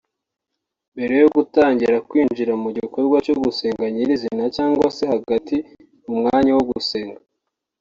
Mbere yo gutangira kwinjira mu gikorwa cyo gusenga nyirizina cyangwa se hagati mu mwanya wo gusenga